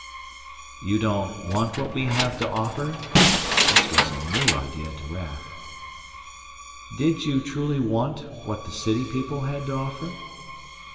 "You don't want what we have to offer?" This was a new idea to Raf. "Did you truly want what the city people had to offer?"